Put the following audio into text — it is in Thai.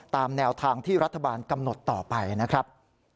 ตามแนวทางที่รัฐบาลกำหนดต่อไปนะครับ